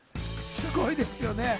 すごいですよね。